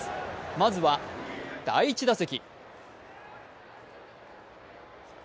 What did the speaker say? まずは第１打席。